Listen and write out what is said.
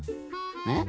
えっ？